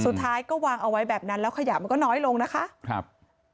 สุดท้ายก็วางเอาไว้แบบนั้นแล้วขยะมันก็น้อยลงนะคะครับ